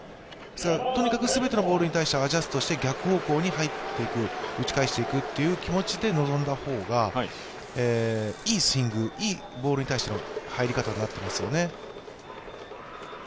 とにかく全てのボールに対してアジャストして、逆方向に入っていく打ち返していくという気持ちで臨んだ方がいいスイング、いいボールに対しての入り方になっていますよね。